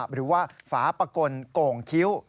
หรือว่าฝาปะกลโก่งคิ้ว